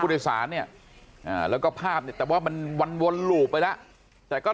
โดยสารเนี่ยแล้วก็ภาพเนี่ยแต่ว่ามันวนหลูบไปแล้วแต่ก็